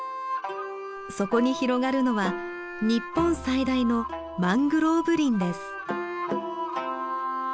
そこに広がるのは日本最大のマングローブ林です。